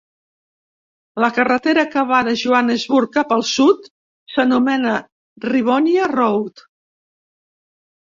La carretera que va de Johannesburg cap al sud s'anomena Rivonia Road.